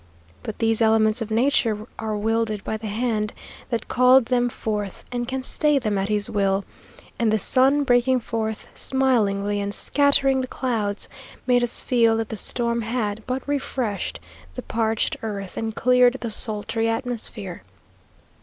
But these elements of nature are wielded by the Hand that called them forth, and can stay them at His will, and the sun breaking forth smilingly and scattering the clouds, made us feel that the storm had but refreshed the parched earth and cleared the sultry atmosphere.